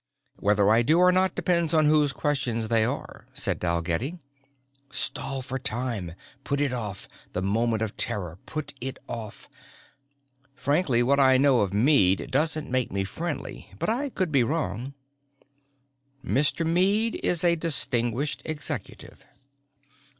"Whether I do or not depends on whose questions they are," said Dalgetty. Stall for time! Put it off, the moment of terror, put it off! "Frankly, what I know of Meade doesn't make me friendly. But I could be wrong." "Mr. Meade is a distinguished executive."